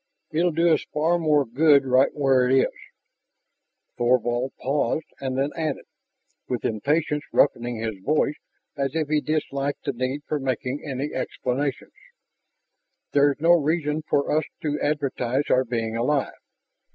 "It'll do us far more good right where it is...." Thorvald paused and then added, with impatience roughening his voice as if he disliked the need for making any explanations, "There is no reason for us to advertise our being alive.